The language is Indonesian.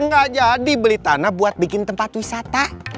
nggak jadi beli tanah buat bikin tempat wisata